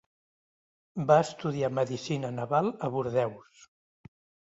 Va estudiar medicina naval a Bordeus.